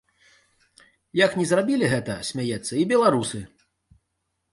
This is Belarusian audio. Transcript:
Як не зрабілі гэтага, смяецца, і беларусы.